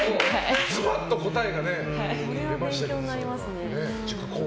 ズバッと答えが出ましたね。